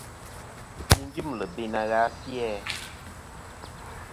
Yi dyɨmlɨ be na gha a fi-æ ?